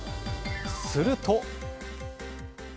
すると。